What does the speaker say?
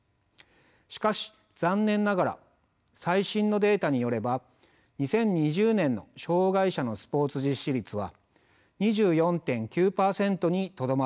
しかし残念ながら最新のデータによれば２０２０年の障害者のスポーツ実施率は２４．９％にとどまっています。